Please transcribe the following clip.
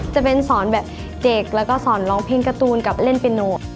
จะเป็นสอนเด็กและร้องเพลงการ์ตูนกับเล่นเปนโน